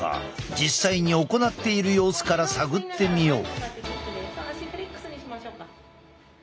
実際に行っている様子から探ってみよう。